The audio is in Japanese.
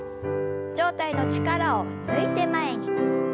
上体の力を抜いて前に。